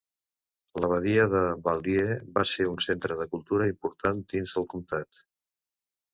L'abadia de Val-Dieu va ser un centre de cultura important dins del comtat.